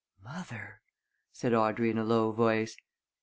"Mother!" said Audrey in a low voice.